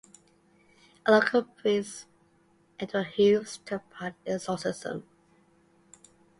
A local priest Edward Hughes took part in the exorcism.